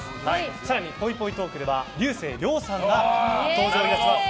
更に、ぽいぽいトークでは竜星涼さんが登場いたします。